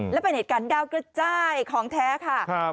และเป็นเหตุการณ์ดาวกระจายของแท้ค่ะ